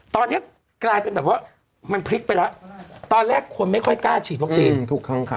ตอนนี้กลายเป็นแบบว่ามันพลิกไปแล้วตอนแรกคนไม่ค่อยกล้าฉีดวัคซีนถูกต้องค่ะ